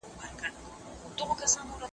په ټولنیزو علومو کي د محیط اغېز ډېر دی.